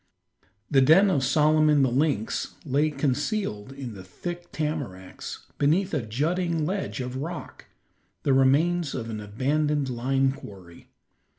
The den of Solomon the lynx lay concealed in the thick tamaracks, beneath a jutting ledge of rock, the remains of an abandoned lime quarry.